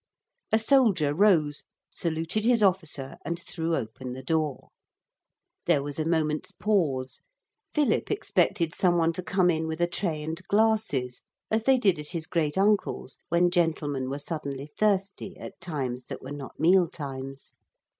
A soldier rose saluted his officer and threw open the door. There was a moment's pause; Philip expected some one to come in with a tray and glasses, as they did at his great uncle's when gentlemen were suddenly thirsty at times that were not meal times.